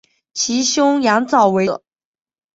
其兄羊枣为著名记者。